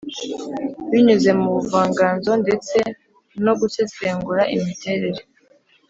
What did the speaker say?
binyuze mu buvanganzo ndetse no gusesengura imiterere